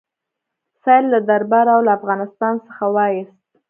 سید له درباره او له افغانستان څخه وایست.